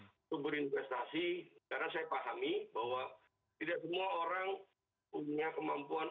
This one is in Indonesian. untuk berinvestasi karena saya pahami bahwa tidak semua orang punya kemampuan